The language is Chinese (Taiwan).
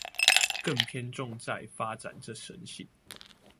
便偏重在發展這神性